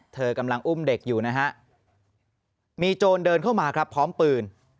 เธอกำลังอุ้มเด็กอยู่นะฮะมีโจรเดินเข้ามาครับพร้อมปืน